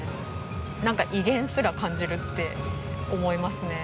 なんか威厳すら感じるって思いますね。